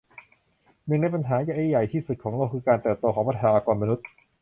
หนึ่งในปัญหาที่ใหญ่ที่สุดของโลกคือการเติบโตของประชากรมนุษย์